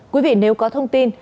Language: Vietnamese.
quý vị nếu có thông tin